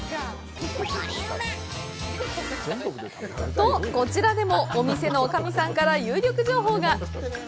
と、こちらでもお店の女将さんから有力情報が。